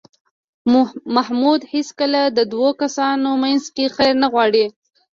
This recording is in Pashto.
محمود هېڅکله د دو کسانو منځ کې خیر نه غواړي.